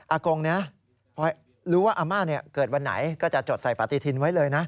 กงพอรู้ว่าอาม่าเกิดวันไหนก็จะจดใส่ปฏิทินไว้เลยนะ